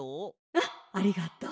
「あっありがとう。